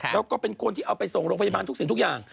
แล้วก็เป็นคนที่เอาไปส่งโรงพยาบาลทุกสิ่งทุกอย่าง